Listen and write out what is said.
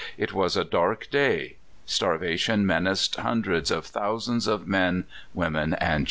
It was a dark day. Starvation menaced hundreds of thousands of men, women, and chil dren.